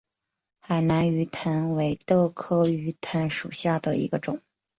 海南鱼藤为豆科鱼藤属下的一个种。